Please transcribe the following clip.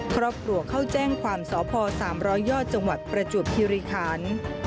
ครอบครัวเข้าแจ้งความสพ๓๐๐ยอดจังหวัดประจวบคิริคัน